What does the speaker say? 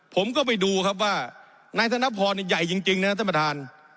ผมก็ไปดูครับว่านายธนพรเนี่ยใหญ่จริงจริงนะฮะท่านประธาน